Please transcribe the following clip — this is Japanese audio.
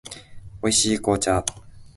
美味しい紅茶